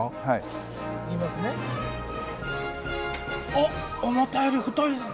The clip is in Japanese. あっ思ったより太い。